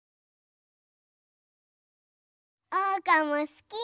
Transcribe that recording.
おうかもすき！